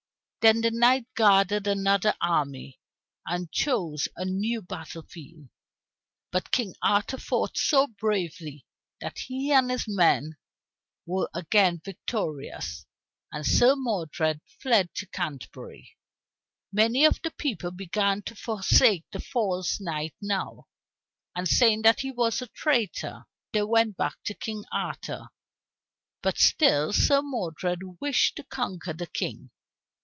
Then the knight gathered another army, and chose a new battle field. But King Arthur fought so bravely that he and his men were again victorious, and Sir Modred fled to Canterbury. Many of the people began to forsake the false knight now, and saying that he was a traitor, they went back to King Arthur. But still Sir Modred wished to conquer the King.